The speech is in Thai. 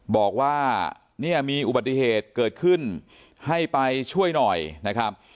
บอกว่าเนี่ยมีอุบัติเหตุเกิดขึ้นให้ไปช่วยหน่อยนะครับ